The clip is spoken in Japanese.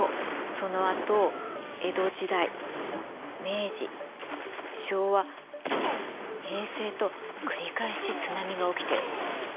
そのあと江戸時代明治昭和平成と繰り返し津波が起きてる。